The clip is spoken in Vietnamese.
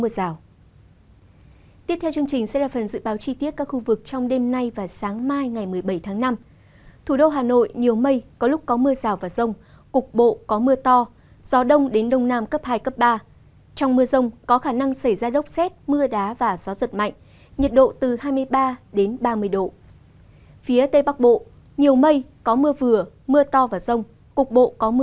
và tiếp theo chương trình sẽ là những thông tin thời tiết của một số tỉnh thành phố trên cả nước